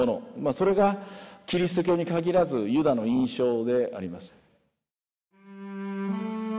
それがキリスト教に限らずユダの印象であります。